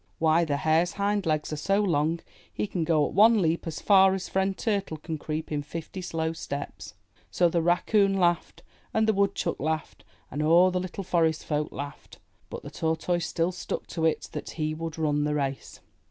Why, the Hare's hind legs are so long he can go at one leap as far as Friend Turtle can creep in fifty slow steps! So the Raccoon laughed, and the Woodchuck laughed, and all the little Forest T» E i? r R 300 IN THE NURSERY Folk laughed. But the Tortoise still stuck to it that he would run the race.